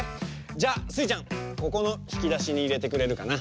じゃあスイちゃんここのひきだしにいれてくれるかな。